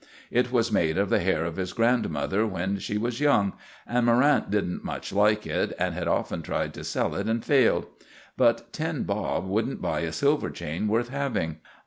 It was made of the hair of his grandmother when she was young, and Morrant didn't much like it, and had often tried to sell it and failed. But ten bob wouldn't buy a silver chain worth having.